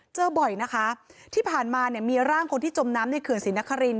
เจอบ่อยนะคะที่ผ่านมาเนี่ยมีร่างคนที่จมน้ำในเขื่อนศรีนคริน